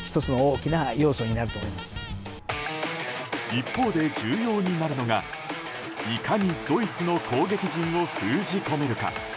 一方で重要になるのがいかにドイツの攻撃陣を封じ込めるか。